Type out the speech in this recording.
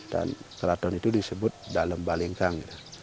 dan keraton itu disebut dalam balingkang